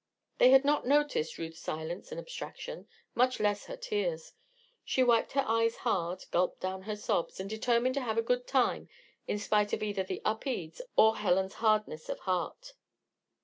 They had not noticed Ruth's silence and abstraction much less her tears. She wiped her eyes hard, gulped down her sobs, and determined to have a good time in spite of either the Upedes or Helen's hardness of heart.